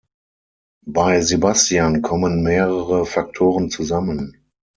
Bei Sebastian kommen mehrere Faktoren zusammen.